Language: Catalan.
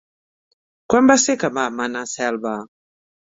Quan va ser que vam anar a Selva?